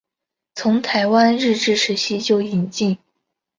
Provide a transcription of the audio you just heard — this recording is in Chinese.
从台湾日治时期就引进。